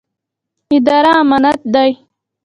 اداره امانت دی